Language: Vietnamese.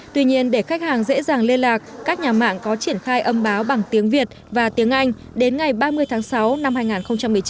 tuy nhiên để khách hàng dễ dàng liên lạc các nhà mạng có triển khai âm báo bằng tiếng việt và tiếng anh đến ngày ba mươi tháng sáu năm hai nghìn một mươi chín